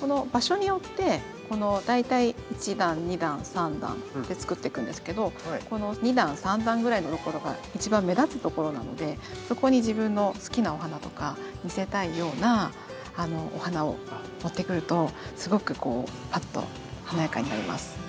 この場所によって大体１段２段３段って作っていくんですけどこの２段３段ぐらいのところが一番目立つところなのでそこに自分の好きなお花とか見せたいようなお花を持ってくるとすごくこうパッと華やかになります。